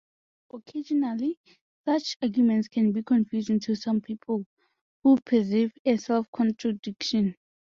Occasionally, such arguments can be confusing to some people, who perceive a self-contradiction.